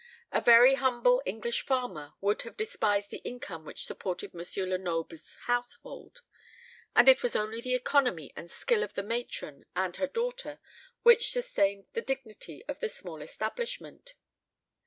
A very humble English farmer would have despised the income which supported M. Lenoble's household; and it was only the economy and skill of the matron and her daughter which sustained the dignity of the small establishment.